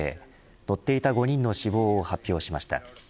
乗っていた５人の死亡を発表しました。